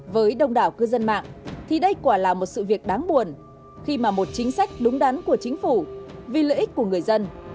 với đông đảo cư dân mạng thì đây quả là một sự việc đáng buồn khi mà một chính sách đúng đắn của chính phủ vì lợi ích của người dân